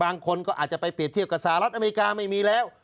บางคนก็อาจจะไปเปรียบเทียบกับสหรัฐอเมริกาไม่มีแล้ว